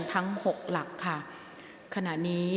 ทั้งหกหลักค่ะขณะนี้